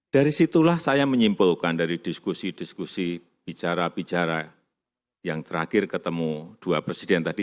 dari situlah saya menyimpulkan dari diskusi diskusi bicara bicara yang terakhir ketemu dua presiden tadi